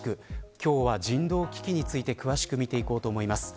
今日は、人道危機について詳しくみていこうと思います。